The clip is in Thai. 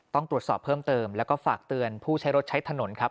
ต้องตรวจสอบเพิ่มเติมแล้วก็ฝากเตือนผู้ใช้รถใช้ถนนครับ